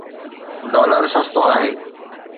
Dollar سستو آهي.